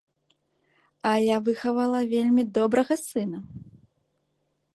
А я выхавала вельмі добрага сына.